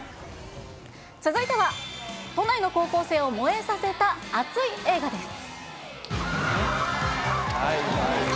続いては、都内の高校生を萌えさせた熱い映画です。